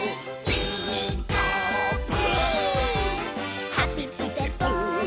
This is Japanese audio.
「ピーカーブ！」